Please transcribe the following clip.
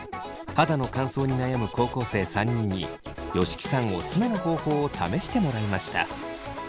肌の乾燥に悩む高校生３人に吉木さんオススメの方法を試してもらいました。